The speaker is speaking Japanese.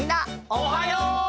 おはよう！